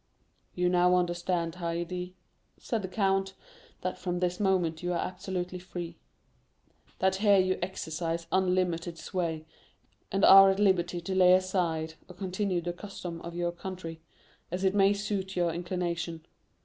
"You now understand, Haydée," said the count, "that from this moment you are absolutely free; that here you exercise unlimited sway, and are at liberty to lay aside or continue the costume of your country, as it may suit your inclination.